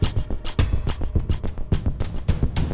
mengatur proses benda prinku hartimya memiliki ukuran dua puluh satu